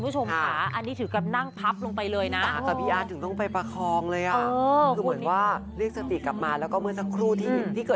เชื่อว่ามีสิ่งศักดิ์สิทธิ์